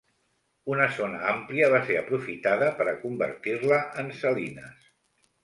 Una zona àmplia va ser aprofitada per a convertir-la en salines.